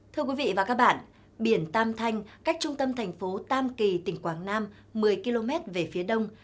thưa quý vị và các bạn biển tam thanh cách trung tâm thành phố tam kỳ tỉnh quảng nam một mươi km về phía đông